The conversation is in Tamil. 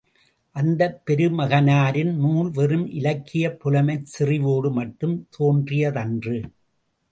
அந்தப் பெருமகனாரின் நூல் வெறும் இலக்கியப் புலமைச் செறிவோடு மட்டும் தோன்றியதன்று.